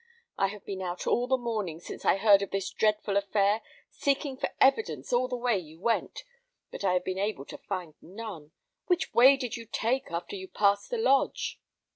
I have been out all the morning since I heard of this dreadful affair, seeking for evidence all the way you went; but I have been able to find none. Which way did you take after you passed the lodge?"